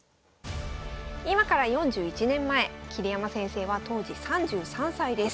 今から４１年前桐山先生は当時３３歳です。